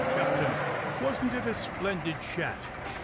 cyaptin! wasn't it a splindid shat?"